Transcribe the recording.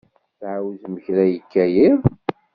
Tɛawzem kra yekka yiḍ?